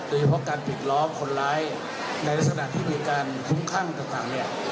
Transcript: โดยเฉพาะการปิดล้อมคนร้ายในลักษณะที่มีการคุ้มข้างต่างเนี่ย